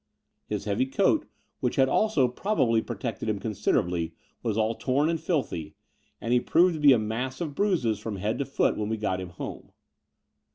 His heavy coat, which had also probably protected him considerably, was all torn and filthy: and he proved to be a ntiass of bruises from head to foot when we got him home.